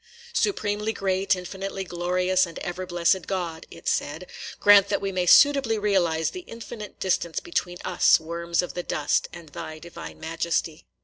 "Supremely great, infinitely glorious, and ever blessed God," it said, "grant that we may suitably realize the infinite distance between us, worms of the dust, and thy divine majesty."